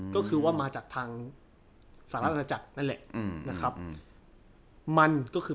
ก็คือว่ามาจากทางสหรัฐอาณาจักรนั่นแหละอืมนะครับมันก็คือ